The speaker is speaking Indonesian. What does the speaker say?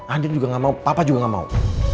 andin juga gak mau papa juga gak mau